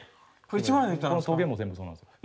このトゲも全部そうなんですよ。